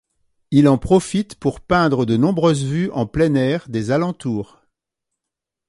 Il en profite pour peindre de nombreuses vues en plein air des alentours.